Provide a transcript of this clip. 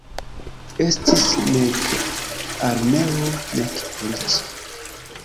Estis nek armeo nek polico.